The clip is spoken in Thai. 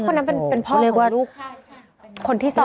คนนั้นเป็นพ่อของลูกค่ะ